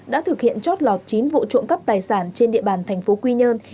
đã thực hiện chót lọt chín vụ trộm cấp tài sản trên địa bàn tp quy nhơn